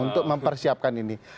untuk mempersiapkan ini